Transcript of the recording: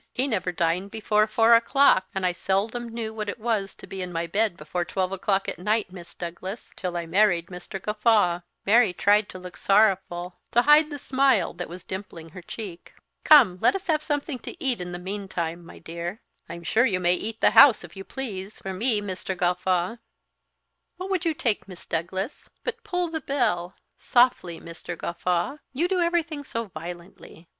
He never dined before four o'clock; and I seldom knew what it was to be in my bed before twelve o'clock at night, Miss Douglas, till I married Mr. Gawffaw!" Mary tried to look sorrowful, to hide the smile that was dimpling her cheek. "Come, let us have something to eat in the meantime, my dear." "I'm sure you may eat the house, if you please, for me, Mr. Gawffaw! What would you take, Miss Douglas? But pull the bell softly, Mr. Gawffaw! You do everything so violently."